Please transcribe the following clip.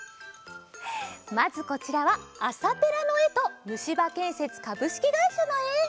まずこちらは「あさペラ！」のえと「虫歯建設株式会社」のえ！